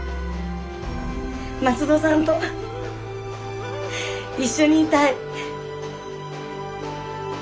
松戸さんと一緒にいたい。